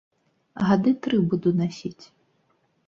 Гады тры буду насіць.